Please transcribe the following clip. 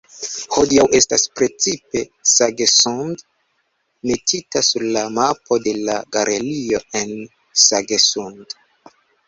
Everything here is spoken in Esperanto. Hodiaŭ estas precipe Sagesund metita sur la mapo de la galerio en Sagesund.